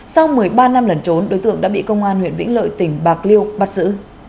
sau một mươi ba năm lẩn trốn đối tượng đã bị công an huyện vĩnh lợi tỉnh bạc liêu bắt giữ